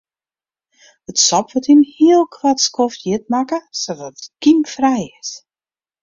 It sop wurdt yn in heel koart skoft hjit makke sadat it kymfrij is.